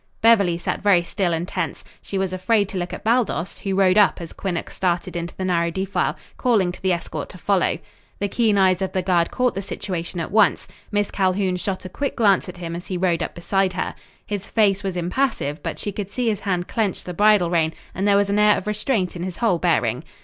Beverly sat very still and tense. She was afraid to look at Baldos, who rode up as Quinnox started into the narrow defile, calling to the escort to follow. The keen eyes of the guard caught the situation at once. Miss Calhoun shot a quick glance at him as he rode up beside her. His face was impassive, but she could see his hand clench the bridle rein, and there was an air of restraint in his whole bearing.